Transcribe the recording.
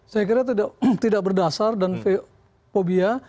saya kira tidak berdasar dan fobia